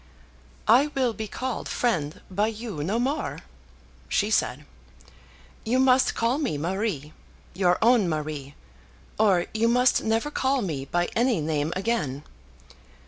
"I will be called friend by you no more," she said. "You must call me Marie, your own Marie, or you must never call me by any name again.